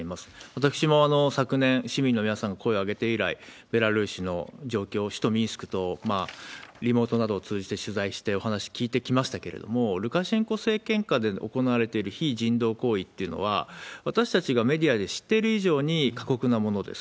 私も昨年、市民の皆さんが声を上げて以来、ベラルーシの状況を、首都ミンスクとリモートなどを通じて取材して、お話聞いてきましたけれども、ルカシェンコ政権下で行われている非人道行為っていうのは、私たちがメディアで知っている以上に過酷なものです。